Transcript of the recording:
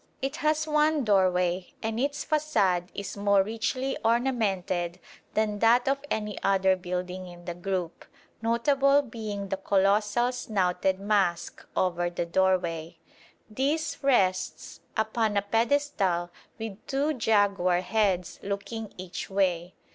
It has one doorway, and its façade is more richly ornamented than that of any other building in the group, notable being the colossal "snouted mask" over the doorway. This rests upon a pedestal with two jaguar heads looking each way.